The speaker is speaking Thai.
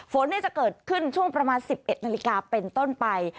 ฝนจะเกิดขึ้นช่วงประมาณ๑๑นาฬิกาเป็นต้นไป